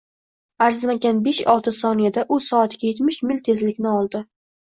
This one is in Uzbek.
Arzimagan besh-olti soniyada u soatiga yetmish mil tezlikni oldi